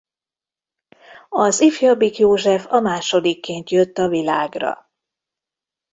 Az ifjabbik József a másodikként jött a világra.